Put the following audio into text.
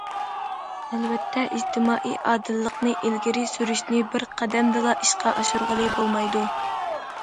ئەلۋەتتە، ئىجتىمائىي ئادىللىقنى ئىلگىرى سۈرۈشنى بىر قەدەمدىلا ئىشقا ئاشۇرغىلى بولمايدۇ.